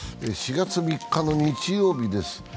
４月３日の日曜日です。